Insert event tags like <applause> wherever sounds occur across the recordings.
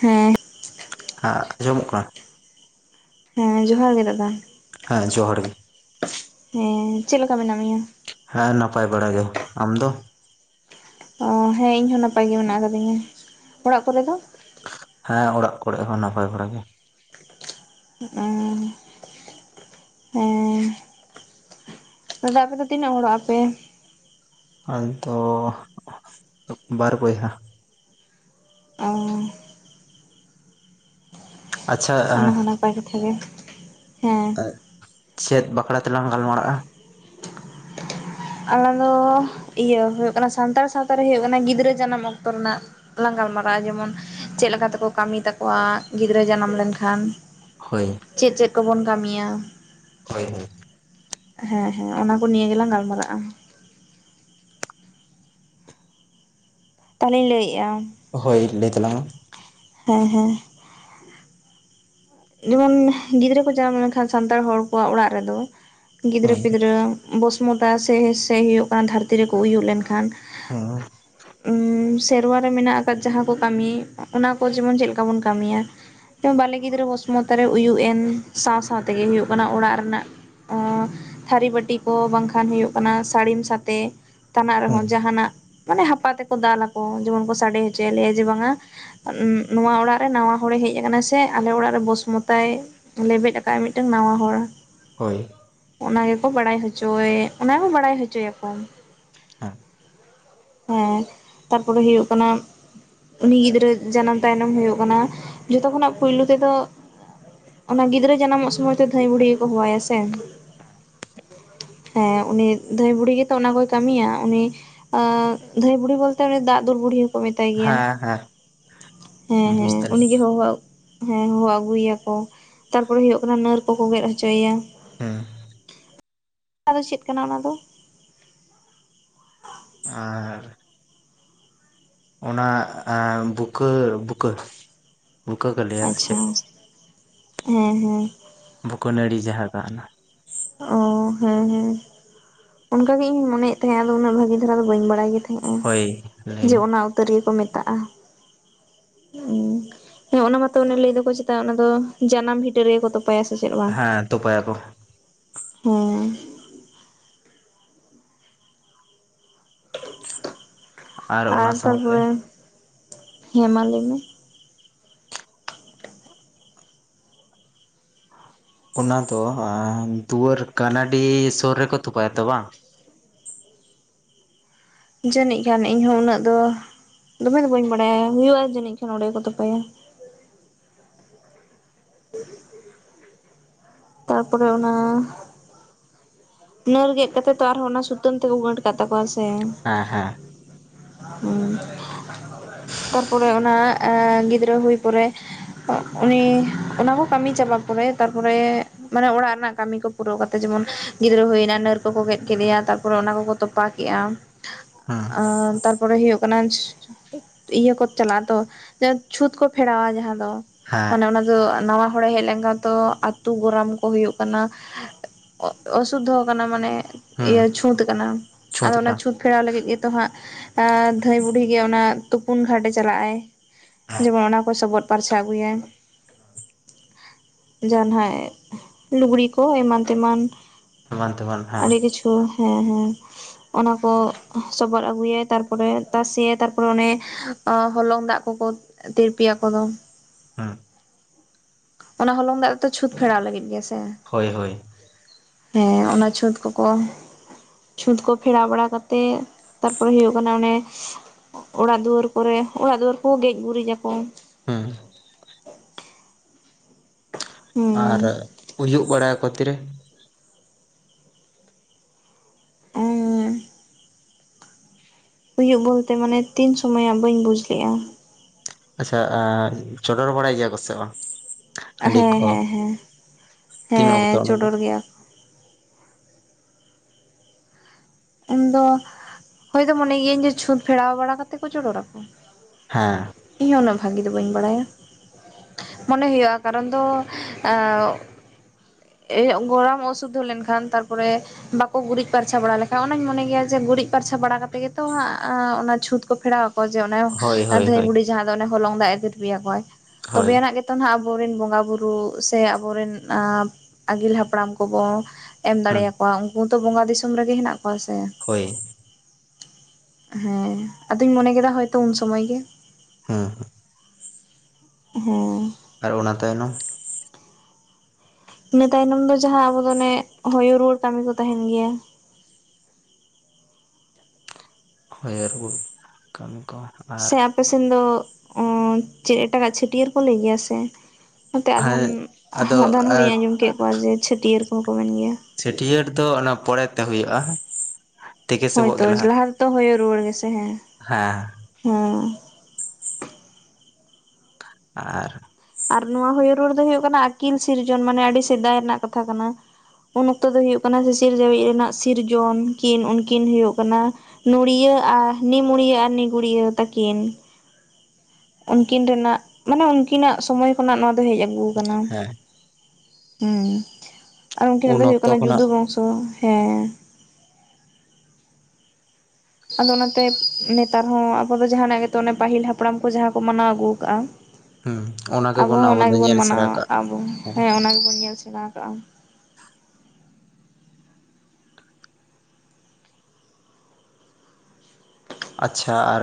ᱦᱮᱸ, ᱦᱟᱸ ᱟᱸᱡᱚᱢᱚᱜ ᱠᱟᱱᱟ? ᱦᱮᱸ ᱡᱚᱦᱟᱨ ᱜᱮ ᱫᱟᱫᱟ᱾ ᱦᱮᱸ ᱡᱚᱦᱟᱨ ᱜᱮ᱾ ᱦᱮᱸ, ᱪᱮᱜ ᱞᱮᱠᱟ ᱢᱮᱱᱟᱜ ᱢᱮᱭᱟ? ᱦᱮᱸ ᱱᱟᱯᱟᱭ ᱵᱟᱲᱟ ᱜᱮ, ᱟᱢ ᱫᱚ? ᱚ ᱦᱮᱸ ᱤᱧ ᱦᱚᱸ ᱱᱟᱯᱟᱭ ᱜᱮ ᱢᱮᱱᱟᱜ ᱠᱟᱫᱤᱧᱟ, ᱚᱲᱟᱜ ᱠᱚᱨᱮ ᱫᱚ? ᱦᱮᱸ ᱚᱲᱟᱜ ᱠᱚᱨᱮ ᱦᱚᱸ, ᱱᱟᱯᱟᱭ ᱵᱟᱲᱟ ᱜᱮ᱾ ᱚᱸ, ᱦᱮᱸ, ᱫᱟᱫᱟ ᱟᱯᱮ ᱫᱚ ᱛᱤᱱᱟᱹᱜ ᱦᱚᱲᱚᱜ ᱟᱯᱮ? ᱟᱞᱮ ᱫᱚ, ᱵᱟᱨ ᱵᱚᱭᱦᱟ᱾ ᱚᱸ, ᱟᱪᱪᱷᱟ ᱚᱱᱟ ᱦᱚᱸ ᱱᱟᱯᱟᱭ ᱠᱟᱛᱷᱟ ᱜᱮ, ᱦᱮᱸ᱾ ᱪᱮᱫ ᱵᱟᱠᱷᱟᱨᱟ ᱛᱮᱞᱟᱝ ᱜᱟᱞᱢᱟᱨᱟᱜ-ᱟ? ᱟᱞᱟᱝ ᱫᱚ ᱤᱭᱟᱹ ᱦᱩᱭᱩᱜ ᱠᱟᱱᱟ ᱥᱟᱱᱛᱟᱲ ᱥᱟᱶᱛᱟ ᱨᱮ ᱦᱩᱭᱩᱜ ᱠᱟᱱᱟ ᱜᱤᱫᱽᱨᱟᱹ ᱡᱟᱱᱟᱢ ᱚᱠᱛᱚ ᱨᱮᱱᱟᱜ ᱞᱟᱝ ᱜᱟᱞᱢᱟᱨᱟᱜ-ᱟ, ᱡᱮᱢᱚᱱ ᱪᱮᱫ ᱞᱮᱠᱟ ᱛᱮᱠᱚ ᱠᱟᱹᱢᱤ ᱛᱟᱠᱚᱣᱟ ᱜᱤᱫᱽᱨᱟᱹ ᱡᱟᱱᱟᱢ ᱞᱮᱱᱠᱷᱟᱱ ᱦᱳᱭ ᱪᱮᱫ ᱪᱮᱫ ᱠᱚᱵᱚᱱ ᱠᱟᱹᱢᱤᱭᱟ᱾ ᱦᱳᱭ ᱦᱳᱭ ᱦᱮᱸ ᱦᱮᱸ ᱚᱱᱟ ᱠᱚ ᱱᱤᱭᱟᱹ ᱜᱮᱞᱟᱝ ᱜᱟᱞᱢᱟᱨᱟᱜ-ᱟ᱾ ᱛᱟᱦᱞᱮᱧ ᱞᱟᱹᱭᱮᱫ-ᱟ᱾ ᱦᱳᱭ ᱞᱟᱹᱭ ᱛᱟᱞᱟᱝ ᱢᱮ ᱦᱮᱸ ᱦᱮᱸ ᱡᱮᱢᱚᱱ ᱜᱤᱫᱽᱨᱟᱹ ᱠᱚ ᱡᱟᱱᱟᱢ ᱞᱮᱱᱠᱷᱟᱱ ᱥᱟᱱᱛᱟᱲ ᱦᱚᱲ ᱠᱚᱣᱟᱜ ᱚᱲᱟᱜ ᱨᱮᱫᱚ ᱢᱮ ᱜᱤᱫᱽᱨᱟᱹ ᱦᱮᱸ ᱯᱤᱫᱽᱨᱟᱹ ᱵᱚᱥᱢᱚᱛᱟ ᱥᱮ ᱦᱮ ᱥᱮ ᱦᱩᱭᱩᱜ ᱠᱟᱱᱟ ᱫᱷᱟᱹᱨᱛᱤ ᱨᱮᱠᱚ ᱩᱭᱩᱜ ᱞᱮᱱᱠᱷᱟᱱ ᱦᱚᱸ ᱩᱸ ᱥᱮᱨᱣᱟ ᱨᱮ ᱢᱮᱱᱟᱜ ᱟᱠᱟᱫ ᱡᱟᱦᱟᱸ ᱠᱚ ᱠᱟᱹᱢᱤ ᱚᱱᱟ ᱠᱚ ᱡᱮᱢᱚᱱ ᱪᱮᱫ ᱞᱮᱠᱟ ᱵᱚᱱ ᱠᱟᱹᱢᱤᱭᱟ᱾ ᱵᱟᱞᱮ ᱜᱤᱫᱽᱨᱟᱹ ᱵᱚᱥᱢᱚᱛᱟ ᱨᱮ ᱩᱭᱩᱜ ᱮᱱ ᱥᱟᱶ ᱥᱟᱶ ᱛᱮᱜᱮ ᱦᱩᱭᱩᱜ ᱠᱟᱱᱟ ᱚᱲᱟᱜ ᱨᱮᱱᱟᱜ ᱛᱷᱟᱹᱨᱤ ᱵᱟᱹᱴᱤ ᱠᱚ ᱵᱟᱝ ᱠᱷᱟᱱ ᱦᱩᱭᱩᱜ ᱠᱟᱱᱟ ᱥᱟᱹᱲᱤᱢ ᱥᱟᱛᱮ ᱛᱟᱱᱟᱜ ᱦᱮᱸ ᱨᱮᱦᱚᱸ ᱡᱟᱦᱱᱟᱜ ᱢᱟᱱᱮ ᱦᱟᱯᱟ ᱛᱮᱠᱚ ᱫᱟᱞᱟ ᱠᱚ ᱡᱮᱢᱚᱱ ᱠᱚ ᱥᱟᱰᱮ ᱦᱚᱪᱚᱭᱟ ᱞᱮᱭᱟ ᱡᱮ ᱵᱟᱝ-ᱟ ᱱᱚᱶᱟ ᱚᱲᱟᱜ ᱨᱮ ᱱᱟᱶᱟ ᱦᱚᱲᱮ ᱦᱮᱡ ᱟᱠᱟᱱᱟ ᱥᱮ ᱟᱞᱮ ᱚᱲᱟᱜ ᱨᱮ ᱵᱚᱥ ᱢᱚᱛᱟᱭ ᱞᱮᱵᱮᱫ ᱟᱠᱟᱫ ᱢᱤᱫᱴᱟᱝ ᱱᱟᱣᱟ ᱦᱚᱲ᱾ ᱦᱳᱭ ᱚᱱᱟ ᱜᱮᱠᱚ ᱵᱟᱲᱟᱭ ᱦᱚᱪᱚᱭᱮ ᱚᱱᱟ ᱦᱚᱸ ᱵᱟᱲᱟᱭ ᱦᱚᱪᱚᱭ ᱟᱠᱚ᱾ ᱦᱮᱸ ᱦᱮᱸ ᱛᱟᱨᱯᱚᱨᱮ ᱦᱩᱭᱩᱜ ᱠᱟᱱᱟ ᱩᱱᱤ ᱜᱤᱫᱽᱨᱟᱹ ᱡᱟᱱᱟᱢ ᱛᱟᱭᱱᱚᱢ ᱦᱩᱭᱩᱜ ᱠᱟᱱᱟ ᱡᱚᱛᱚ ᱠᱷᱚᱱᱟᱜ ᱯᱩᱭᱞᱳ ᱛᱮᱫᱚ ᱚᱱᱟ ᱜᱤᱫᱽᱨᱟᱹ ᱡᱟᱱᱟᱢᱚᱜ ᱥᱚᱢᱚᱭ ᱛᱮ ᱫᱷᱟᱹᱭ ᱵᱩᱰᱦᱤ ᱜᱮᱠᱚ ᱦᱚᱦᱚᱣᱟᱭᱟ ᱥᱮ ᱦᱮᱸ ᱩᱱᱤ ᱫᱷᱟᱹᱭ ᱵᱩᱰᱦᱤ ᱜᱮᱛᱚ ᱚᱱᱟ ᱠᱚᱭ ᱠᱟᱹᱢᱤᱭᱟ ᱾ᱩᱱᱤ ᱫᱷᱟᱹᱭ ᱵᱩᱲᱦᱤ ᱵᱚᱞ ᱛᱮ ᱩᱱᱤ ᱫᱟᱜ ᱫᱩᱞ ᱵᱩᱲᱦᱤ ᱢᱮᱛᱟᱭ ᱜᱮᱭᱟ, ᱦᱮᱸ ᱦᱮᱸ ᱦᱮᱸ ᱵᱩᱡᱽ ᱦᱮᱸ ᱩᱱᱤᱜᱮ ᱫᱟᱞᱤᱧ ᱦᱚᱦᱚ ᱦᱮᱸ ᱦᱚᱦᱚ ᱟᱹᱜᱩᱭᱟ ᱠᱚ ᱛᱟᱨᱯᱚᱨᱮ ᱦᱩᱭᱩᱜ ᱠᱟᱱᱟ ᱱᱟᱹᱨ ᱠᱚᱠᱚ ᱜᱮᱫ ᱦᱚᱪᱚᱭᱮᱭᱟ᱾ ᱦᱮᱸ ᱟᱫᱚ ᱪᱮᱫ ᱠᱟᱱᱟ ᱚᱱᱟ ᱫᱚ? ᱟᱨ ᱚᱱᱟ ᱵᱩᱠᱟᱹ ᱵᱩᱠᱟᱹ ᱵᱩᱠᱟᱹ ᱠᱚ ᱞᱟᱹᱭ᱾ ᱟᱪᱪᱷᱟ ᱦᱮᱸ ᱦᱮᱸ ᱵᱩᱠᱟᱹ ᱱᱟᱹᱲᱤ ᱡᱟᱦᱟᱸ ᱛᱟᱦᱮᱱᱟ᱾ ᱚᱸ ᱦᱮᱸ ᱦᱮᱸ ᱚᱱᱠᱟᱜᱤᱧ ᱢᱚᱱᱮᱭᱮᱫ ᱛᱟᱦᱮᱸᱫ ᱟᱫᱚ ᱩᱱᱟᱹᱜ ᱵᱷᱟᱜᱤ ᱫᱷᱟᱨᱟ ᱫᱚ ᱵᱟᱹᱧ ᱵᱟᱲᱟᱭ ᱜᱮ ᱛᱟᱦᱮᱸᱱᱟ᱾ ᱦᱳᱭ ᱞᱟᱹᱭ ᱡᱮ ᱢᱮ ᱚᱱᱟ ᱩᱛᱟᱹᱨ ᱜᱮᱠᱚ ᱢᱮᱛᱟᱜ-ᱟ᱾ ᱦᱮᱸ ᱚᱱᱟ ᱢᱟᱛᱚ ᱚᱱᱮ ᱞᱟᱹᱭ ᱫᱚᱠᱚ ᱪᱮᱛᱟ ᱚᱱᱟ ᱫᱚ ᱡᱟᱱᱟᱢ ᱵᱷᱤᱴᱟᱹ ᱨᱮᱜᱮ ᱠᱚ ᱛᱚᱯᱟ ᱯᱟᱭᱟ ᱥᱮ ᱪᱮᱫ᱾ ᱵᱟᱝ? ᱦᱮᱸ ᱛᱚᱯᱟᱭ ᱟᱠᱚ᱾ ᱦᱮᱸ ᱟᱨ ᱚᱱᱟ ᱥᱟᱶᱛᱮ ᱛᱟᱯᱚᱨᱮ ᱦᱮᱸ ᱢᱟ ᱞᱟᱹᱭ ᱢᱮ᱾ ᱚᱱᱟ ᱫᱚ ᱟ ᱫᱩᱣᱟᱹᱨ ᱜᱟᱱᱟᱰᱤ ᱥᱩᱨ ᱨᱮᱠᱚ ᱛᱚᱯᱟᱭᱟ ᱛᱚ ᱵᱟᱝ, ᱡᱟᱹᱱᱤᱡ ᱠᱷᱟᱱ ᱤᱧ ᱦᱚᱸ ᱩᱱᱟᱹᱜ ᱫᱚ ᱫᱚᱢᱮ ᱫᱚ ᱵᱟᱹᱧ ᱵᱟᱲᱟᱭᱟ, ᱦᱩᱭᱩᱜ-ᱟ, ᱡᱟᱹᱱᱤᱡ ᱠᱷᱟᱱ ᱚᱸᱰᱮ ᱜᱮᱠᱚ ᱛᱚᱯᱟᱭᱟ᱾ <inaudible> ᱛᱟᱨᱯᱚᱨᱮ ᱚᱱᱟ ᱱᱟᱹᱨ ᱜᱮᱫ ᱠᱟᱛᱮᱜ ᱛᱚ ᱟᱨᱦᱚᱸ ᱚᱱᱟ ᱥᱩᱛᱟᱹᱢ ᱛᱮᱠᱚ ᱜᱟᱹᱴ ᱠᱟᱜ ᱛᱟᱠᱚᱣᱟ ᱥᱮ ᱦᱚᱸ ᱦᱮᱸ ᱦᱮᱸ ᱛᱟᱨᱯᱚᱨᱮ ᱚᱱᱟ ᱮᱸ ᱜᱤᱫᱽᱨᱟᱹ ᱦᱩᱭ ᱯᱚᱨᱮ ᱩᱱᱤ ᱚᱱᱟ ᱠᱚ ᱠᱟᱹᱢᱤ ᱪᱟᱵᱟ ᱯᱚᱨᱮ ᱛᱟᱨᱯᱚᱨᱮ ᱢᱟᱱᱮ ᱚᱲᱟᱜ ᱨᱮᱱᱟᱜ ᱠᱟᱹᱢᱤ ᱠᱚ ᱯᱩᱨᱟᱹᱣ ᱠᱟᱛᱮ ᱡᱮᱢᱚᱱ ᱜᱤᱫᱽᱨᱟᱹ ᱦᱩᱭᱱᱟᱭ ᱱᱟᱹᱨ ᱠᱚᱠᱚ ᱜᱮᱫ ᱠᱮᱫᱮᱭᱟ ᱛᱟᱯᱚᱨᱮ ᱚᱱᱟ ᱠᱚᱠᱚ ᱛᱚᱯᱟ ᱠᱮᱫᱼᱟ ᱦᱩᱸ ᱟᱨ ᱛᱟᱨᱯᱚᱨᱮ ᱦᱩᱭᱩᱜᱜ ᱠᱟᱱᱟ ᱤᱭᱟᱹ ᱠᱚ ᱪᱟᱞᱟᱜᱼᱟ ᱛᱚ ᱪᱷᱩᱸᱛ ᱠᱚ ᱯᱷᱮᱰᱟᱣᱟ ᱡᱟᱸᱦᱟᱸ ᱫᱚ᱾ ᱦᱮᱸ ᱢᱟᱱᱮ ᱚᱱᱟ ᱫᱚ ᱱᱟᱣᱟ ᱦᱚᱲᱮ ᱦᱮᱡ ᱞᱮᱱᱠᱷᱟᱱ ᱛᱚ ᱟᱹᱛᱩ ᱜᱚᱨᱟᱢ ᱠᱚ ᱦᱩᱭᱩᱜ ᱠᱟᱱᱟ ᱚᱥᱩᱫᱽᱫᱷᱚ ᱠᱟᱱᱟ ᱢᱟᱱᱮ ᱦᱩᱸ ᱤᱭᱟᱹ ᱪᱷᱩᱸᱛ ᱠᱟᱱᱟ ᱟᱫᱚ ᱚᱱᱟ ᱪᱷᱩᱸᱛ ᱯᱷᱮᱨᱟᱣ ᱞᱟᱹᱜᱤᱫ ᱜᱮᱛᱚ ᱦᱟᱸᱜ ᱫᱷᱟᱹᱭ ᱵᱩᱰᱦᱤ ᱜᱮ ᱚᱱᱟ ᱛᱩᱯᱩᱱ ᱜᱷᱟᱴ ᱮ ᱪᱟᱞᱟᱜ ᱟᱭ ᱡᱮᱢᱚᱱ ᱚᱱᱟ ᱠᱚ ᱥᱚᱵᱚᱫ ᱯᱟᱨᱪᱟ ᱟᱹᱜᱩᱭᱟᱭ᱾ ᱦᱮᱸ ᱡᱟᱦᱱᱟᱜ ᱞᱩᱜᱽᱲᱤ ᱠᱚ ᱮᱢᱟᱱ ᱛᱮᱢᱟᱱ, ᱮᱢᱟᱱ ᱛᱮᱢᱟᱱ᱾ ᱦᱮᱸ ᱟᱹᱰᱤ ᱠᱤᱪᱷᱩ ᱦᱮᱸ ᱦᱮᱸ᱾ ᱚᱱᱟᱠᱚ ᱥᱚᱵᱚᱫ ᱟᱹᱜᱩᱭᱟ ᱛᱟᱨᱯᱚᱨᱮ ᱛᱟᱥᱮᱭᱟᱭ ᱛᱟᱨᱯᱚᱨᱮ ᱚᱱᱮ ᱦᱚᱞᱚᱝ ᱫᱟᱜ ᱠᱚᱠᱚ ᱛᱤᱨᱯᱤᱭᱟᱠᱚ ᱫᱚ᱾ ᱦᱮᱸ ᱚᱱᱟ ᱦᱚᱞᱚᱝ ᱫᱟᱜ ᱫᱚ ᱪᱷᱩᱛ ᱯᱷᱮᱲᱟᱣ ᱞᱟᱹᱜᱤᱫ ᱜᱮ ᱥᱮ ᱦᱳᱭ ᱦᱳᱭ ᱦᱮᱸ ᱚᱱᱟ ᱪᱷᱩᱛ ᱠᱚᱠᱚ ᱪᱷᱩᱸᱛ ᱠᱚ ᱯᱷᱮᱲᱟᱣ ᱵᱟᱲᱟ ᱠᱟᱛᱮᱜ ᱛᱟᱨᱯᱚᱨᱮ ᱦᱩᱭᱩᱜ ᱠᱟᱱᱟ ᱚᱱᱮ, ᱚᱲᱟᱜ ᱫᱩᱣᱟᱹᱨ ᱠᱚᱨᱮ ᱚᱲᱟᱜ ᱫᱩᱣᱟᱹᱨ ᱠᱚ ᱜᱮᱡ ᱜᱩᱨᱤᱡᱽ ᱟᱠᱚ᱾ ᱦᱮᱸ ᱟᱨ ᱦᱩᱸ ᱩᱭᱩᱜ ᱵᱟᱲᱟᱭᱟᱠᱚ ᱛᱤᱨᱮ? ᱮᱸ ᱩᱭᱩᱜ ᱵᱚᱞᱛᱮ ᱢᱟᱱᱮ ᱛᱤᱱ ᱥᱩᱚᱢᱚᱭᱟᱜ ᱵᱟᱹᱧ ᱵᱩᱡᱽ ᱞᱮᱜᱼᱟ᱾ ᱟᱪᱪᱷᱟ ᱪᱚᱰᱚᱨ ᱵᱟᱲᱟᱭ ᱜᱮᱭᱟ ᱠᱚ ᱥᱮ ᱵᱟᱝ? ᱦᱟᱺᱰᱤ ᱦᱮᱸ ᱠᱚ ᱦᱮᱸ ᱦᱮᱸ ᱛᱤᱱ ᱚᱠᱛᱚ ᱦᱮᱸ ᱚᱱᱟ ᱫᱚ ᱪᱚᱰᱚᱨ ᱜᱮᱭᱟ ᱤᱧᱫᱚ ᱦᱳᱭᱛᱚ ᱢᱚᱱᱮ ᱜᱤᱭᱟᱹᱧ ᱡᱮ ᱪᱷᱩᱸᱛ ᱯᱷᱮᱨᱟᱣ ᱵᱟᱲᱟ ᱠᱟᱛᱮᱫ ᱠᱚ ᱪᱚᱰᱚᱨ ᱟᱠᱚ᱾ ᱦᱮᱸ ᱤᱧᱦᱚᱸ ᱩᱱᱟᱹᱜ ᱵᱷᱟᱹᱜᱤ ᱫᱚ ᱵᱟᱹᱧ ᱵᱟᱲᱟᱭᱟ᱾ ᱢᱚᱱᱮ ᱦᱩᱭᱩᱜᱼᱟ ᱠᱟᱨᱚᱱ ᱫᱚ ᱟᱸ ᱜᱚᱨᱟᱢ ᱚᱥᱩᱫᱽᱫᱷᱚ ᱞᱮᱱᱠᱷᱟᱱ ᱛᱟᱨᱯᱚᱨᱮ ᱵᱟᱠᱚ ᱜᱩᱨᱤᱡᱽ ᱯᱟᱨᱪᱟ ᱵᱟᱲᱟ ᱞᱮ ᱚᱱᱟᱧ ᱢᱚᱱᱮ ᱜᱮᱭᱟ ᱡᱮ ᱜᱩᱨᱤᱡ ᱯᱟᱨᱪᱷᱟ ᱵᱟᱲᱟ ᱠᱟᱛᱮᱫ ᱜᱮ ᱛᱚ ᱦᱟᱸᱜ ᱚᱱᱟ ᱪᱷᱩᱛ ᱠᱚ ᱯᱷᱮᱲᱟᱣᱟ᱾ ᱡᱮ ᱚᱱᱮ ᱦᱳᱭ ᱦᱳᱭ ᱫᱷᱟᱹᱭ ᱦᱳᱭ ᱵᱩᱲᱦᱤ ᱡᱟᱦᱟᱸ ᱫᱚ ᱚᱱᱮ ᱦᱚᱞᱚᱝ ᱫᱟᱜ ᱮ ᱛᱤᱨᱯᱤ ᱟᱠᱚᱣᱟᱭ ᱦᱳᱭ ᱛᱚᱵᱮᱭᱟᱱᱟᱜ ᱜᱮ ᱜᱮᱛᱚ ᱟᱵᱚᱮᱱ ᱵᱚᱸᱜᱟ ᱵᱩᱨᱩ ᱥᱮ ᱟᱵᱚᱨᱮᱱ ᱟᱹᱜᱤᱞ ᱦᱟᱯᱲᱟᱢ ᱠᱚᱵᱚᱱ ᱮᱢ ᱫᱟᱲᱮ ᱦᱩᱸ ᱟᱠᱚᱣᱟ ᱩᱱᱠᱩ ᱦᱚᱸᱛᱚ ᱵᱚᱸᱜᱟ ᱫᱤᱥᱚᱢ ᱨᱮᱜᱮ ᱦᱮᱱᱟᱜ ᱠᱚᱣᱟ᱾ ᱥᱮ ᱦᱳᱭ ᱦᱮᱸ ᱟᱫᱚᱧ ᱢᱚᱱᱮ ᱠᱮᱫᱟ ᱦᱚᱭᱛᱳ ᱩᱱ ᱥᱚᱢᱚᱭ ᱜᱮ᱾ ᱦᱮᱸ ᱦᱮᱸ ᱦᱮᱸ ᱟᱨ ᱚᱱᱟ ᱛᱟᱭᱱᱚᱢ ᱤᱱᱟᱹ ᱛᱟᱭᱱᱚᱢ ᱫᱚ ᱡᱟᱦᱟᱸ ᱟᱵᱚ ᱫᱚ ᱚᱱᱮ ᱦᱚᱭᱚ ᱨᱩᱣᱟᱹᱲ ᱠᱟᱹᱢᱤ ᱠᱚ ᱛᱟᱦᱮᱱ ᱜᱮᱭᱟ ᱾ ᱦᱚᱭᱚ ᱨᱩᱭᱟᱹᱲ ᱠᱟᱹᱢᱤ ᱠᱚ ᱟᱨ ᱥᱮ ᱟᱯᱮ ᱥᱮᱱ ᱫᱚ ᱚᱻ ᱪᱮᱫ ᱮᱴᱟᱜᱟᱜ ᱪᱷᱟᱹᱴᱭᱟᱹᱨ ᱠᱚ ᱞᱟᱹᱭ ᱜᱮᱭᱟ ᱥᱮ? ᱱᱚᱛᱮ ᱟᱫᱷᱟᱱ, ᱟᱫᱚ ᱟᱫᱷᱟᱱ ᱟᱨ ᱦᱚᱲᱤᱧ ᱟᱸᱡᱚᱢ ᱠᱮᱫ ᱠᱚᱣᱟ ᱡᱮ ᱪᱷᱟᱹᱴᱭᱟᱹᱨ ᱠᱚᱦᱚᱸ ᱠᱚ ᱢᱮᱱ ᱜᱮᱭᱟ ᱾ ᱪᱷᱟᱹᱴᱭᱟᱹᱨ ᱫᱚ ᱚᱱᱟ ᱯᱚᱨᱮ ᱛᱮ ᱦᱩᱭᱩᱜᱼᱟ ᱾ ᱦᱳᱭᱛᱚ ᱞᱟᱦᱟ ᱛᱚ ᱦᱚᱭᱚ ᱨᱩᱣᱟᱹᱲ ᱜᱮᱥᱮ ᱦᱮᱸ, ᱦᱮᱸ ᱦᱩᱸ ᱾ ᱟᱨ ᱟᱨ ᱱᱚᱣᱟ ᱦᱚᱭᱚ ᱨᱩᱣᱟᱹᱲ ᱫᱚ ᱦᱩᱭᱩᱜ ᱠᱟᱱᱟ ᱟᱹᱠᱤᱞ ᱥᱤᱨᱡᱚᱱ, ᱢᱟᱱᱮ ᱟᱹᱰᱤ ᱥᱮᱫᱟᱭ ᱨᱮᱱᱟᱜ ᱠᱟᱛᱷᱟ ᱠᱟᱱᱟ ᱾ ᱩᱱ ᱚᱠᱛᱚ ᱫᱚ ᱦᱩᱭᱩᱜ ᱠᱟᱱᱟ, ᱥᱤᱥᱤᱨᱡᱟᱹᱣᱤᱡ ᱨᱮᱱᱟᱜ ᱥᱤᱨᱡᱚᱱ ᱠᱤᱱ ᱩᱱᱠᱤᱱ ᱦᱩᱭᱩᱜ ᱠᱟᱱᱟ ᱾ ᱱᱚᱲᱤᱭᱟᱹ ᱟᱨ ᱱᱤᱢᱩᱲᱤᱭᱟᱹ ᱟᱨ ᱱᱤᱜᱩᱲᱭᱟᱹ ᱛᱟᱹᱠᱤᱱ ᱾ ᱩᱱᱠᱤᱱ ᱨᱮᱱᱟᱜ ᱢᱟᱱᱮ ᱩᱱᱠᱤᱱᱟᱜ ᱥᱚᱢᱚᱭ ᱠᱷᱚᱱᱟᱜ ᱱᱚᱣᱟ ᱫᱚ ᱦᱮᱡ ᱟᱹᱜᱩ ᱠᱟᱱᱟ ᱦᱮᱸ ᱾ ᱦᱩᱸ ᱾ ᱟᱨ ᱩᱱᱠᱤᱱᱟᱜ ᱩᱱ ᱫᱚ ᱦᱩᱭᱩᱜ ᱚᱠᱛᱚ ᱠᱟᱱᱟ ᱡᱩᱫᱩ ᱠᱷᱚᱱᱟᱜ ᱵᱚᱝᱥᱚ, ᱦᱮᱸ ᱾ ᱟᱫᱚ ᱚᱱᱟ ᱛᱮ ᱱᱮᱛᱟᱨ ᱦᱚᱸ ᱟᱵᱚ ᱫᱚ ᱡᱟᱦᱟᱸᱱᱟᱜ ᱜᱮᱛᱚ ᱚᱱᱮ ᱯᱟᱹᱦᱤᱞ ᱦᱟᱯᱲᱟᱢ ᱠᱚ ᱡᱟᱦᱟᱸ ᱠᱚ ᱢᱟᱱᱟᱣ ᱟᱹᱜᱩ ᱟᱠᱟᱜᱼᱟ ᱾ ᱦᱩᱸ ᱚᱱᱟ ᱟᱵᱚ ᱜᱮᱵᱚᱱ ᱦᱚᱸ ᱚᱱᱟ ᱫᱚ ᱜᱮᱵᱚᱱ ᱧᱮᱞ ᱢᱟᱱᱟᱣ, ᱥᱮᱬᱟ ᱠᱟᱜ ᱟᱵᱚ ᱦᱮᱸ ᱚᱱᱟ ᱜᱮᱵᱚᱱ ᱧᱮᱞ ᱥᱮᱬᱟ ᱠᱟᱜᱼᱟ ᱾ ᱟᱪᱪᱷᱟ, ᱟᱨ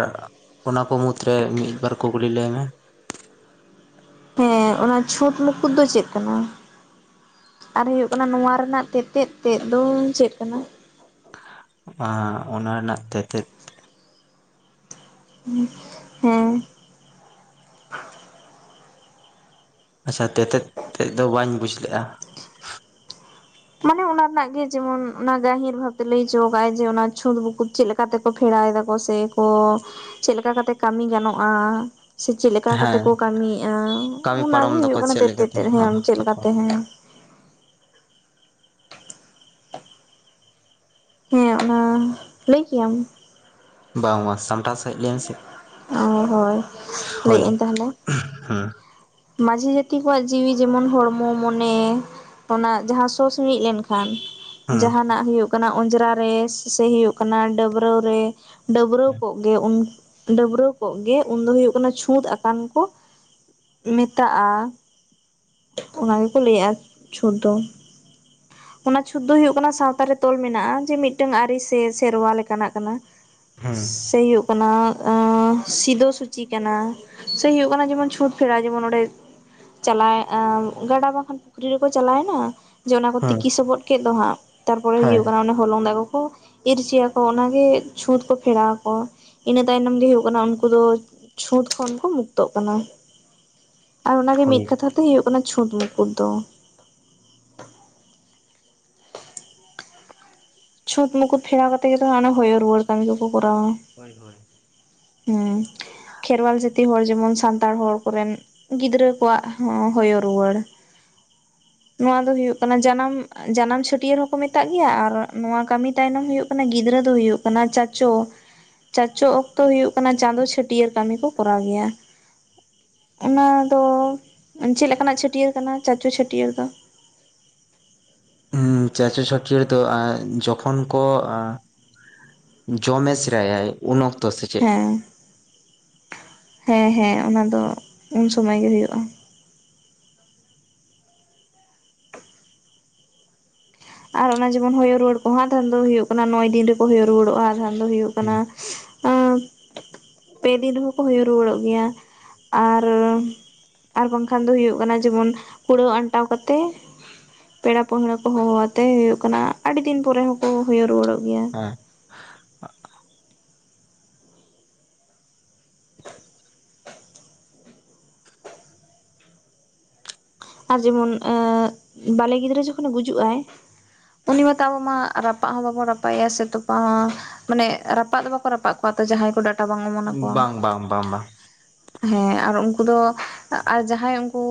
ᱚᱱᱟ ᱠᱚ ᱢᱩᱫᱽᱨᱮ ᱢᱤᱫ ᱵᱟᱨ ᱠᱩᱠᱞᱤ ᱞᱟᱹᱭ ᱢᱮ ᱾ ᱦᱮᱸ, ᱚᱱᱟ ᱪᱷᱩᱸᱴ ᱢᱩᱠᱩᱴ ᱫᱚ ᱪᱮᱫ ᱠᱟᱱᱟ? ᱟᱨ ᱦᱩᱭᱩᱜ ᱠᱟᱱᱟ ᱱᱚᱣᱟ ᱨᱮᱱᱟᱜ ᱛᱮᱛᱮᱫ ᱛᱮᱫ ᱫᱚ ᱪᱮᱫ ᱠᱟᱱᱟ? ᱚᱱᱟ ᱨᱮᱱᱟᱜ ᱛᱮᱛᱮᱫ ᱦᱩᱸ ᱾ ᱦᱮᱸ ᱾ ᱟᱪᱪᱷᱟ, ᱛᱮᱛᱮᱫ ᱛᱮᱫ ᱫᱚ ᱵᱟᱹᱧ ᱵᱩᱡᱽ ᱞᱮᱜᱼᱟ ᱾ ᱢᱟᱱᱮ ᱚᱱᱟ ᱨᱮᱱᱟᱜ ᱜᱮ ᱡᱮᱢᱚᱱ ᱚᱱᱟ ᱜᱟᱹᱦᱤᱨ ᱵᱷᱟᱵᱛᱮ ᱞᱟᱹᱭ ᱦᱚᱪᱚ ᱠᱟᱜᱟᱭ ᱡᱮ ᱚᱱᱟ ᱪᱷᱩᱸᱛ ᱵᱩᱠᱩᱫ ᱪᱮᱫ ᱞᱮᱠᱟ? ᱠᱟᱛᱮ ᱠᱚ ᱠᱷᱮᱲᱟᱭ ᱫᱟ ᱠᱚ ᱥᱮ ᱠᱚ, ᱪᱮᱫ ᱞᱮᱠᱟ ᱠᱟᱛᱮ ᱠᱟᱹᱢᱤ ᱜᱟᱱᱚᱜᱼᱟ? ᱥᱮ ᱪᱮᱫ ᱞᱮᱠᱟ ᱠᱟᱛᱮ ᱦᱮᱸ ᱠᱚ ᱠᱟᱹᱢᱤᱭᱮᱜᱼᱟ? ᱠᱟᱹᱢᱤ ᱚᱱᱟ ᱯᱟᱨᱚᱢ ᱜᱮ ᱫᱟᱠᱚ ᱦᱩᱭᱩᱜ ᱠᱟᱱᱟ ᱪᱮᱫ ᱛᱮᱛᱮᱫ ᱞᱮᱠᱟᱛᱮ ᱾ ᱦᱚᱸ ᱦᱮᱸ ᱪᱮᱫ ᱞᱮᱠᱟᱛᱮ ᱦᱮᱸ ᱾ ᱦᱮᱸ, ᱚᱱᱟ ᱞᱟᱹᱭ ᱠᱮᱭᱟᱢ ᱾ ᱵᱟᱝ ᱵᱟᱝ ᱥᱟᱢᱴᱟᱥ ᱚ ᱦᱳᱭ, ᱦᱳᱭ ᱞᱟᱹᱭᱮᱫ ᱟᱹᱧ ᱛᱟᱦᱚᱞᱮ ᱦᱩᱸ ᱢᱟᱺᱡᱷᱤ ᱡᱟᱹᱛᱤ ᱠᱚᱣᱟᱜ ᱡᱤᱣᱤ ᱡᱮᱢᱚᱱ ᱦᱚᱲᱢᱚ ᱢᱚᱱᱮ ᱚᱱᱟ ᱡᱟᱦᱟᱸ ᱥᱳ ᱥᱤᱲᱤᱡ ᱞᱮᱱ ᱠᱷᱟᱱ ᱦᱩᱸ ᱡᱟᱦᱟᱸᱱᱟᱜ ᱦᱩᱭᱩᱜ ᱠᱟᱱᱟ ᱚᱸᱡᱽᱨᱟ ᱨᱮ, ᱥᱮ ᱦᱩᱭᱩᱜ ᱠᱟᱱᱟ ᱰᱟᱹᱵᱽᱨᱟᱹᱣ ᱨᱮ, ᱰᱟᱹᱵᱽᱨᱟᱹᱣ ᱦᱩᱸ ᱠᱚᱜ ᱜᱮ ᱰᱟᱹᱵᱽᱨᱟᱹᱣ ᱠᱚᱜ ᱜᱮ, ᱩᱱ ᱫᱚ ᱦᱩᱭᱩᱜ ᱠᱟᱱᱟ ᱪᱷᱩᱸᱛ ᱟᱠᱟᱱ ᱠᱚ ᱾ ᱢᱮᱛᱟᱜᱼᱟ, ᱚᱱᱟ ᱜᱮ ᱠᱚ ᱞᱟᱹᱭᱮᱜᱼᱟ ᱪᱷᱩᱛ ᱫᱚ᱾ <inaudible> ᱚᱱᱟ ᱪᱷᱩᱸᱛ ᱫᱚ ᱠᱟᱱᱟ ᱥᱟᱶᱛᱟᱨᱮ ᱛᱚᱞ ᱢᱮᱱᱟᱜᱼᱟ, ᱡᱮ ᱢᱤᱫᱴᱟᱱ ᱟᱹᱨᱤ ᱥᱮ ᱥᱮᱨᱣᱟ ᱞᱮᱠᱟᱱᱟᱜ ᱠᱟᱱᱟ ᱾ ᱦᱩᱸ ᱥᱮ ᱦᱩᱭᱩᱜ ᱠᱟᱱᱟ ᱥᱤᱫᱳ ᱥᱩᱪᱤ ᱠᱟᱱᱟ ᱾ ᱥᱮ ᱦᱩᱭᱩᱜ ᱠᱟᱱᱟ, ᱡᱮᱢᱚᱱ ᱪᱷᱩᱛ ᱯᱷᱮᱲᱟᱣ ᱡᱮᱢᱚᱱ ᱚᱸᱰᱮ ᱪᱟᱞᱟᱣᱚᱜᱼᱟ, ᱜᱟᱰᱟ ᱵᱟᱝᱠᱷᱟᱱ ᱯᱩᱠᱷᱨᱤ ᱨᱮᱠᱚ ᱪᱟᱞᱟᱣᱮᱱᱟ ᱡᱮ ᱚᱱᱟ ᱠᱚ ᱦᱮᱸ ᱛᱤᱠᱤ ᱥᱚᱵᱚᱫ ᱠᱮᱫ ᱫᱚ ᱦᱟᱸᱜ, ᱛᱟᱨᱯᱚᱨᱮ ᱦᱳᱭ ᱦᱩᱭᱩᱜ ᱠᱟᱱᱟ ᱦᱚᱞᱚᱝ ᱫᱟᱜ ᱠᱚ ᱠᱚ ᱤᱨᱪᱤᱹᱭᱟᱠᱚ ᱚᱱᱟ ᱜᱮ ᱪᱷᱩᱸᱛ ᱠᱚ ᱯᱷᱮᱲᱟᱣ ᱟᱠᱚ ᱾ ᱤᱱᱟᱹ ᱛᱟᱭᱱᱚᱢ ᱜᱮ ᱦᱩᱭᱩᱜ ᱠᱟᱱᱟ ᱩᱱᱠᱩ ᱫᱚ ᱪᱷᱩᱸᱛ ᱠᱷᱚᱱ ᱠᱚ ᱢᱩᱠᱛᱚᱜ ᱠᱟᱱᱟ ᱾ ᱟᱨ ᱚᱱᱟ ᱜᱮ ᱢᱤᱫ ᱠᱟᱛᱷᱟ ᱫᱚ ᱦᱩᱭᱩᱜ ᱠᱟᱱᱟ ᱪᱷᱩᱸᱛ ᱢᱩᱠᱩᱴ ᱫᱚ ᱾ ᱪᱷᱩᱛ ᱢᱩᱠᱩᱴ ᱯᱷᱮᱲᱟᱣ ᱠᱟᱛᱮ ᱜᱮ ᱛᱚ ᱚᱱᱮ ᱦᱚᱭᱚ ᱨᱩᱣᱟᱹᱲ ᱠᱟᱹᱢᱤ ᱠᱚᱠᱚ ᱠᱚᱨᱟᱣᱟ ᱾ ᱦᱳᱭ ᱦᱳᱭ ᱾ ᱦᱩᱸ, ᱠᱷᱮᱨᱣᱟᱞ ᱡᱟᱹᱛᱤ ᱦᱚᱲ ᱡᱮᱢᱚᱱ ᱥᱟᱱᱛᱟᱲ ᱦᱚᱲ ᱠᱚᱨᱮᱱ ᱜᱤᱫᱽᱨᱟᱹ ᱠᱚᱣᱟᱜ ᱦᱚᱸ ᱦᱚᱭᱚ ᱨᱩᱣᱟᱹᱲ ᱾ ᱱᱚᱣᱟ ᱫᱚ ᱦᱩᱭᱩᱜ ᱠᱟᱱᱟ ᱡᱟᱱᱟᱢ, ᱡᱟᱱᱟᱢ ᱪᱷᱟᱹᱴᱭᱟᱹᱨ ᱦᱚᱸᱠᱚ ᱢᱮᱛᱟᱜ ᱜᱮᱭᱟ ᱟᱨ ᱱᱚᱣᱟ ᱠᱟᱹᱢᱤ ᱛᱟᱭᱱᱚᱢ ᱦᱩᱭᱩᱜ ᱠᱟᱱᱟ ᱜᱤᱫᱽᱨᱟᱹ ᱫᱚ ᱦᱩᱭᱩᱜ ᱠᱟᱱᱟ ᱪᱟᱪᱳ, ᱪᱟᱪᱚ ᱚᱠᱛᱚ ᱦᱩᱭᱩᱜ ᱠᱟᱱᱟ ᱪᱟᱸᱫᱚ ᱪᱷᱟᱹᱴᱭᱟᱹᱨ ᱠᱟᱹᱢᱤ ᱠᱚ ᱠᱚᱨᱟᱣ ᱜᱮᱭᱟ ᱾ ᱚᱱᱟ ᱫᱚ ᱪᱮᱫ ᱞᱮᱠᱟ ᱱᱟᱜ ᱪᱷᱟᱹᱴᱭᱟᱹᱨ ᱠᱟᱱᱟ ᱪᱟᱪᱳ ᱪᱷᱟᱹᱴᱭᱟᱹᱨ ᱫᱚ? ᱪᱟᱪᱳ ᱪᱷᱟᱹᱴᱭᱟᱹᱨ ᱫᱚ ᱡᱚᱠᱷᱚᱱ ᱠᱚ ᱡᱚᱢᱮ ᱥᱮᱨᱟᱭᱟᱭ ᱩᱱ ᱚᱠᱛᱚ ᱥᱮ ᱪᱮᱫ? ᱦᱮᱸ ᱦᱮᱸ ᱦᱮᱸ, ᱚᱱᱟ ᱫᱚ ᱩᱱ ᱥᱳᱢᱟᱹᱭ ᱜᱮ ᱦᱩᱭᱩᱜᱼᱟ ᱾ ᱟᱨ ᱚᱱᱟ ᱡᱮᱢᱚᱱ ᱦᱚᱭᱳ ᱨᱩᱣᱟᱹᱲ ᱠᱚᱦᱚ ᱟᱫᱷᱟᱱ ᱫᱚ ᱦᱩᱭᱩᱜ ᱠᱟᱱᱟ ᱱᱚᱭ ᱫᱤᱱ ᱨᱮᱠᱚ ᱦᱚᱭᱚ ᱨᱩᱣᱟᱹᱲᱚᱜᱼᱟ, ᱟᱫᱷᱟᱱ ᱫᱚ ᱦᱩᱭᱩᱜ ᱠᱟᱱᱟ ᱦᱮᱸ ᱯᱮ ᱫᱤᱱ ᱨᱮᱦᱚᱸ ᱠᱚ ᱦᱚᱭᱚ ᱨᱩᱣᱟᱹᱲᱚᱜ ᱜᱮᱭᱟ ᱟᱨ ᱟᱨ ᱵᱟᱝᱠᱷᱟᱱ ᱫᱚ ᱦᱳᱭᱳᱜ ᱠᱟᱱᱟ ᱡᱮᱢᱚᱱ ᱠᱩᱲᱟᱹᱣ ᱟᱱᱴᱟᱣ ᱠᱟᱛᱮᱜ᱾ ᱯᱮᱲᱟ ᱯᱟᱹᱲᱦᱟᱹ ᱠᱚ ᱦᱚᱦᱚ ᱟᱛᱮ ᱦᱩᱭᱩᱜ ᱠᱟᱱᱟ ᱟᱹᱰᱤ ᱫᱤᱱ ᱯᱚᱨᱮ ᱦᱚᱸᱠᱚ ᱦᱩᱭ ᱨᱩᱣᱟᱹᱲᱚᱜ ᱜᱮᱭᱟ᱾ ᱟᱨ ᱡᱮᱢᱚᱱ ᱮᱸ ᱵᱟᱞᱮ ᱜᱤᱫᱽᱨᱟᱹ ᱡᱚᱠᱷᱚᱱᱮ ᱜᱩᱡᱩᱜ ᱟᱭ ᱩᱱᱤ ᱢᱟᱛᱚ ᱟᱵᱚ ᱢᱟ ᱨᱟᱯᱟᱜ ᱦᱚᱸ ᱵᱟᱵᱚᱱ ᱨᱟᱯᱟᱭᱼᱟ ᱥᱮ ᱛᱚᱯᱟ ᱦᱚᱸ ᱢᱟᱱᱮ ᱨᱟᱯᱟᱜ ᱫᱚ ᱵᱟᱠᱚ ᱨᱟᱯᱟᱜ ᱠᱚᱣᱟ ᱛᱚ ᱡᱟᱦᱟᱸᱭ ᱠᱚ ᱰᱟᱴᱟ ᱵᱟᱝ ᱚᱢᱚᱱ ᱟᱠᱚᱣᱟ᱾ ᱵᱟᱝ ᱵᱟᱝ ᱵᱟᱝ ᱵᱟᱝ ᱦᱮᱸ ᱟᱨ ᱩᱱᱠᱩ ᱫᱚ ᱟᱨ ᱡᱟᱦᱟᱸᱭ ᱩᱱᱠᱩ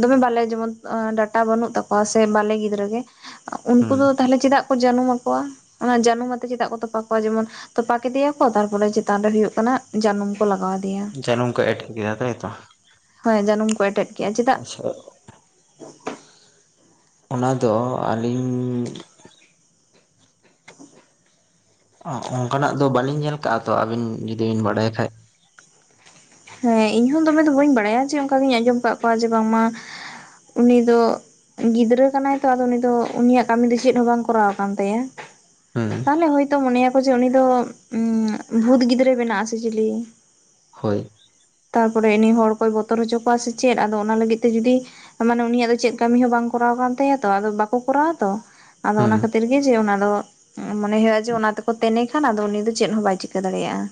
ᱫᱚᱢᱮ ᱵᱟᱞᱮ ᱡᱮᱢᱚᱱ ᱰᱟᱴᱟ ᱵᱟᱹᱱᱩᱜ ᱛᱟᱠᱚᱣᱟ ᱥᱮ ᱵᱟᱞᱮ ᱜᱤᱫᱽᱨᱟᱹ ᱜᱮ, ᱩᱱᱠᱩ ᱫᱚ ᱦᱩᱸ ᱛᱟᱦᱚᱞᱮ ᱪᱮᱫᱟᱜ ᱠᱚ ᱡᱟᱹᱱᱩᱢ ᱟᱠᱚᱣᱟ? ᱚᱱᱟ ᱡᱟᱹᱱᱩᱢ ᱟᱛᱮ ᱪᱮᱫᱟᱜ ᱠᱚ ᱛᱚᱯᱟ ᱠᱚᱣᱟ? ᱡᱮᱢᱚᱱ ᱛᱚᱯᱟ ᱠᱮᱫᱮᱭᱟᱠᱚ ᱛᱟᱨᱯᱚᱨᱮ ᱪᱮᱛᱟᱱ ᱨᱮ ᱦᱳᱜ ᱠᱟᱱᱟ ᱡᱟᱹᱱᱩᱢ ᱠᱚ ᱞᱟᱜᱟᱣ- ᱟᱫᱮᱭᱟ ᱡᱟᱱᱩᱢ ᱠᱚ ᱮᱴᱮᱛ ᱠᱮᱫᱟ ᱦᱚᱭ ᱛᱚ ᱦᱚᱭ ᱡᱟᱱᱩᱢ ᱠᱚ ᱮᱴᱮᱫ ᱠᱮᱫᱟ᱾ ᱟᱪᱪᱷᱟ ᱚᱱᱟ ᱫᱚ ᱟᱹᱞᱤᱧ ᱚᱱᱠᱟ ᱱᱟᱜ ᱫᱚ ᱵᱟᱹᱞᱤᱧ ᱧᱮᱞ ᱠᱟᱜᱼᱟ ᱛᱚ, ᱟᱵᱤᱱ ᱡᱩᱫᱤ ᱵᱤᱱ ᱵᱟᱲᱟᱭ ᱠᱷᱟᱡ, ᱦᱮᱸ ᱤᱧ ᱦᱚ ᱫᱚᱢᱮ ᱫᱚ ᱵᱟᱹᱧ ᱵᱟᱲᱟᱭᱟ ᱡᱮ ᱚᱱᱠᱟ ᱜᱤᱧ ᱟᱸᱡᱚᱢ ᱟᱠᱟᱫ ᱠᱚᱣᱟ ᱡᱮ ᱵᱟᱝᱢᱟ ᱩᱱᱤ ᱫᱚ ᱜᱤᱫᱽᱨᱟᱹ ᱠᱟᱱᱟᱭ ᱛᱚ ᱩᱱᱤ ᱫᱚ ᱩᱱᱤᱭᱟᱜ ᱠᱟᱹᱢᱤ ᱫᱚ ᱪᱮᱫ ᱦᱚᱸ ᱵᱟᱝ ᱠᱚᱨᱟᱣ ᱟᱠᱟᱱ ᱛᱟᱭᱟ᱾ ᱦᱩᱸ ᱛᱟᱦᱞᱮ ᱦᱚᱳᱭᱛᱳ ᱢᱚᱱᱮᱭᱟᱠᱚ ᱡᱮ ᱩᱱᱤ ᱫᱚ ᱵᱷᱩᱛ ᱜᱤᱫᱽᱨᱟᱹ ᱵᱮᱱᱟᱜ ᱟᱥᱮ ᱪᱤᱞᱤ, ᱦᱳᱭ ᱛᱟᱨᱯᱚᱨᱮ ᱩᱱᱤᱱ ᱦᱚᱲ ᱠᱚᱭ ᱵᱚᱛᱚᱨ ᱦᱚᱪᱚ ᱠᱚᱣᱟ ᱥᱮ ᱪᱮᱫ ᱟᱫᱚ ᱚᱱᱟ ᱞᱟᱹᱜᱤᱫ ᱛᱮ ᱡᱩᱫᱤ ᱢᱟᱱᱮ ᱩᱱᱤᱭᱟᱜ ᱫᱚ ᱪᱮᱫ ᱠᱟᱹᱢᱤ ᱦᱚᱸ ᱵᱟᱝ ᱠᱚᱨᱟᱣ ᱠᱟᱱ ᱛᱟᱭᱟ ᱛᱚ ᱟᱫᱚ ᱵᱟᱠᱚ ᱠᱚᱨᱟᱣᱟ ᱛᱚ᱾ ᱟᱫᱚ ᱦᱩᱸ ᱚᱱᱟ ᱠᱷᱟᱹᱛᱤᱨ ᱜᱮ ᱡᱮ ᱚᱱᱟ ᱫᱚ ᱢᱚᱱᱮ ᱦᱩᱭᱩᱜᱭᱳᱜᱼᱟ ᱡᱮ ᱚᱱᱟ ᱛᱮᱠᱚ ᱛᱮᱱᱮ ᱠᱷᱟᱱ ᱟᱫᱚ ᱩᱱᱤ ᱫᱚ ᱪᱮᱫ ᱦᱚᱸ ᱵᱟᱭ ᱪᱤᱠᱟᱹ ᱫᱟᱲᱮᱭᱟᱜᱼᱟ᱾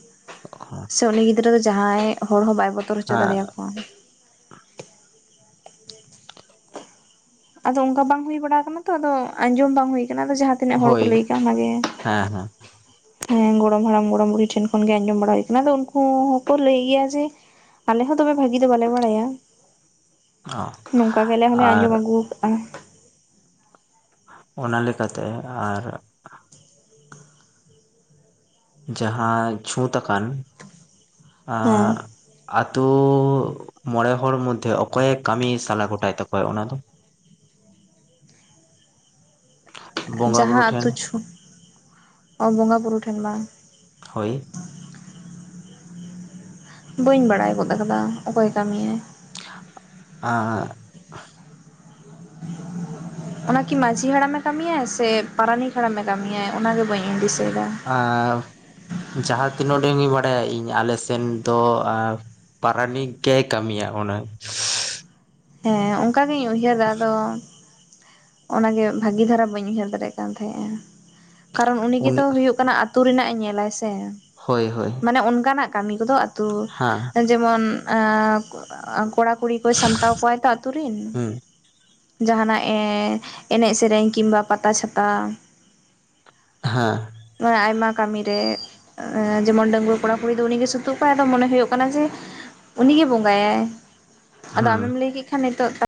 ᱥᱮ ᱩᱱᱤ ᱜᱤᱫᱽᱨᱟᱹ ᱫᱚ ᱡᱟᱦᱟᱸᱭ ᱦᱚᱲ ᱦᱚᱸ ᱵᱟᱭ ᱵᱚᱛᱚᱨ ᱦᱚᱪᱚ ᱫᱟᱲᱮ ᱦᱮᱸ ᱟᱠᱚᱣᱟ᱾ ᱟᱫᱚ ᱚᱱᱠᱟ ᱵᱟᱝ ᱦᱩᱭ ᱵᱟᱲᱟ ᱟᱠᱟᱱᱟ ᱛᱚ ᱟᱫᱚ ᱟᱸᱡᱚᱢ ᱵᱟᱝ ᱦᱩᱭ ᱟᱠᱟᱱᱟ ᱟᱫᱚ ᱡᱟ ᱛᱤᱱᱟᱹᱜ ᱦᱚᱲ ᱠᱚ ᱦᱳᱭ ᱞᱟᱹᱭ ᱠᱟᱜᱼᱟ ᱚᱱᱟ ᱜᱮ᱾ ᱦᱮᱸ ᱦᱮᱸ ᱦᱮᱸ ᱜᱚᱲᱚᱢ ᱦᱟᱲᱟᱢ ᱜᱚᱲᱚᱢ ᱵᱩᱰᱦᱤ ᱴᱷᱮᱱ ᱠᱷᱚᱱ ᱜᱮ ᱟᱸᱡᱚᱢ ᱵᱟᱲᱟ ᱦᱩᱭ ᱟᱠᱟᱱᱟ, ᱩᱱᱠᱩ ᱦᱚᱸᱠᱚ ᱞᱟᱹᱭ ᱜᱮᱭᱟ ᱡᱮ ᱟᱞᱮ ᱦᱚ ᱫᱚᱢᱮ ᱵᱷᱟᱜᱤ ᱫᱚ ᱵᱟᱞᱮ ᱵᱟᱲᱟᱭᱟ᱾ ᱚ ᱱᱚᱝᱠᱟ ᱜᱮ ᱟᱞᱮ ᱦᱚᱸᱞᱮ ᱟᱨ ᱟᱸᱡᱚᱢ ᱟᱹᱜᱩ ᱟᱠᱟᱜᱼᱟ᱾ ᱚᱱᱟ ᱞᱮᱠᱟ ᱛᱮ ᱟᱨ ᱡᱟᱸᱦᱟᱸ ᱪᱷᱩᱸᱛ ᱟᱠᱟᱱ ᱟ ᱦᱮᱸ ᱟᱛᱳ ᱢᱚᱬᱮ ᱦᱚᱲ ᱢᱚᱫᱽᱫᱷᱮ ᱚᱠᱚᱭᱮ ᱠᱟᱹᱢᱤ ᱥᱟᱞ ᱜᱚᱴᱟᱭ ᱛᱟᱠᱚᱣᱟ ᱚᱱᱟ ᱫᱚ? ᱵᱚᱸᱜᱟ ᱡᱟᱸᱦᱟᱸ ᱵᱩᱨᱩ ᱴᱷᱮᱱ ᱟᱛᱳ ᱪᱷᱩ ᱵᱚᱸᱜᱟ ᱵᱩᱨᱩ ᱴᱷᱮᱱ ᱵᱟᱝ ᱦᱳᱭ ᱵᱟᱹᱧ ᱵᱟᱲᱟᱭ ᱜᱚᱫ ᱠᱟᱫᱟ, ᱚᱠᱚᱭ ᱠᱟᱹᱢᱟᱭ? ᱟᱨ, <inaudible> ᱚᱱᱟᱠᱤ ᱢᱟᱺᱡᱷᱤ ᱦᱟᱲᱟᱢᱮ ᱠᱟᱹᱢᱤᱭᱟᱟᱭ ᱥᱮ, ᱯᱟᱨᱟᱱᱤᱠ ᱦᱟᱲᱟᱢᱮ ᱠᱟᱹᱢᱤᱭᱟᱭ, ᱚᱱᱟᱜᱮ ᱵᱟᱹᱧ ᱫᱤᱥᱟᱹᱭᱫᱟ, ᱟᱨ ᱡᱟᱦᱟᱸ ᱛᱤᱱ ᱩᱰᱟᱹᱝ ᱤᱧ ᱵᱟᱲᱟᱭᱟ, ᱤᱧ ᱟᱞᱮ ᱥᱮᱱ ᱫᱚ ᱟᱨ ᱯᱟᱨᱟᱱᱤᱠ ᱜᱮ ᱠᱟᱹᱢᱤᱭᱟ ᱚᱱᱟ,, ᱦᱮᱸ ᱦᱮᱸ, ᱚᱝᱠᱟ ᱜᱤᱧ ᱩᱭᱦᱟᱹᱨ ᱫᱟ, ᱟᱫᱚ ᱚᱱᱟᱜᱮ ᱵᱷᱟᱹᱜᱤ ᱫᱷᱟᱨᱟ, ᱵᱟᱹᱧ ᱩᱭᱦᱟᱹᱨ ᱫᱟᱲᱮᱭᱟᱜ ᱠᱟᱱ ᱛᱟᱦᱮᱸᱼᱟ, ᱠᱟᱨᱚᱱ ᱩᱱᱤ ᱜᱮᱛᱚ ᱦᱳᱭᱩᱜ ᱠᱟᱱᱟ ᱟᱹᱛᱩ ᱨᱮᱱᱟᱜᱼᱮ ᱧᱮᱞᱟᱭ ᱥᱮ, ᱦᱳᱭ, ᱦᱳᱭ᱾ ᱢᱟᱱᱮ ᱚᱱᱠᱟᱱᱟᱜ ᱠᱟᱹᱢᱤ ᱠᱚᱫᱚ ᱟᱛᱩ, ᱦᱟᱸ, ᱡᱮᱢᱚᱱ ᱟᱸ, ᱠᱚᱲᱟ ᱠᱩᱲᱤ ᱠᱚᱭ, ᱥᱟᱢᱴᱟᱶ ᱠᱚᱣᱟᱭ ᱛᱚ ᱟᱛᱩ ᱨᱮᱱ, ᱦᱩᱸ ᱡᱟᱦᱟᱱᱟᱜ ᱮ ᱮᱱᱮᱡ ᱥᱮᱨᱮᱧ, ᱠᱤᱢᱵᱟ ᱯᱟᱛᱟ ᱪᱷᱟᱛᱟ, ᱦᱟᱸ, ᱱᱚᱶᱟ ᱟᱭᱢᱟ ᱠᱟᱹᱢᱤ ᱨᱮ, ᱮᱸ ᱡᱮᱢᱚᱱ ᱰᱟᱸᱹᱜᱩᱣᱟᱹ ᱠᱚᱲᱟ ᱠᱩᱲᱤ ᱫᱚ ᱩᱱᱤᱜᱮ ᱥᱩᱫᱷᱩ ᱥᱩᱛᱩᱜ ᱠᱚᱣᱟᱜ, ᱟᱫᱚ ᱢᱚᱱᱮ ᱦᱳᱭᱳᱜ ᱠᱟᱱᱟ ᱡᱮ, ᱩᱱᱤᱜᱮ ᱵᱚᱸᱜᱟᱭᱟᱭ, ᱟᱫᱚ ᱦᱩᱸ ᱟᱢᱮᱢ ᱞᱟᱹᱭ ᱠᱮᱜ ᱠᱷᱟᱱ ᱱᱤᱛᱚᱜ ᱫᱷᱟ